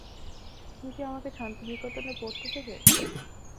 তুমি কি আমাকে শান্তিনিকেতনে পড়তে দেবে?